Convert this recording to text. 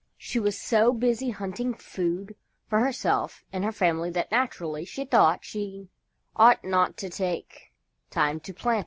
She was so busy hunting food for herself and her family that, naturally, she thought she ought not to take time to plant it.